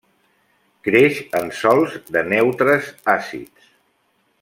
Creix en sòls de neutres àcids.